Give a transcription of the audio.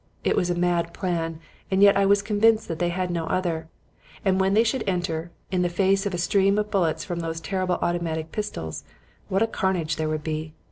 It was a mad plan and yet I was convinced that they had no other. And when they should enter, in the face of a stream of bullets from those terrible automatic pistols, what a carnage there would be!